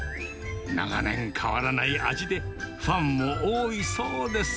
長年、変わらない味で、ファンも多いそうです。